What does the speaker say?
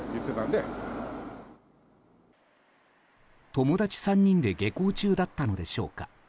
友達３人で下校中だったのでしょうか。